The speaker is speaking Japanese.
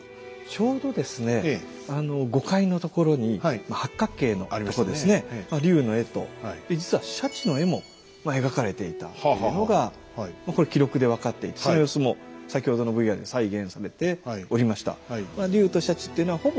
ちょうど５階のところに八角形のとこですね龍の絵と実は鯱の絵も描かれていたっていうのが記録で分かっていてその様子も先ほどのＶＲに再現されておりました。